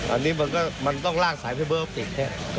อันนี้มันต้องลากสายไฟเบอร์อปติก